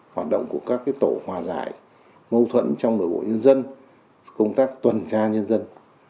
hoạt động của các tổ hòa giải mâu thuẫn trong nội bộ nhân dân công tác tuần tra nhân dân